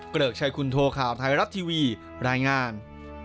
เกริกชัยคุณโทข่าวไทยรัฐทีวีรายงาน